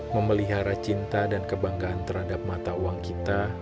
memelihara cinta dan kebanggaan terhadap mata uang kita